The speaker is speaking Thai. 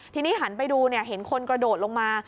ทีนี้หันไปดูเห็นคนกระโดดลงมา